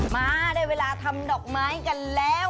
มาได้เวลาทำดอกไม้กันแล้ว